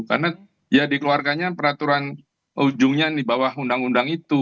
karena ya dikeluarkannya peraturan ujungnya di bawah undang undang itu